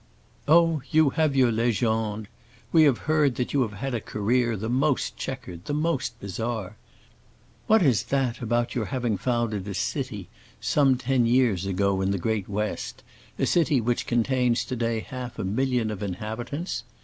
"Oh, you have your légende. We have heard that you have had a career the most checkered, the most bizarre. What is that about your having founded a city some ten years ago in the great West, a city which contains to day half a million of inhabitants?